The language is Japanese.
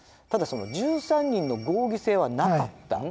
ただその「『１３人の合議制』はなかった！」。